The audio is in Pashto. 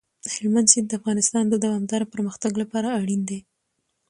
هلمند سیند د افغانستان د دوامداره پرمختګ لپاره اړین دی.